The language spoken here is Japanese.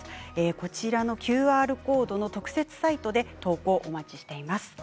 こちらのＱＲコードの特設サイトで投稿をお待ちしております。